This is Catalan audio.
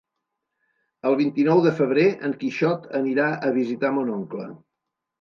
El vint-i-nou de febrer en Quixot anirà a visitar mon oncle.